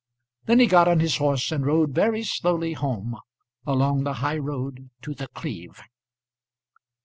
Then he got on his horse and rode very slowly home, along the high road to The Cleeve.